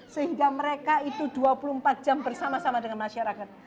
sehingga mereka itu dua puluh empat jam bersama sama dengan masyarakat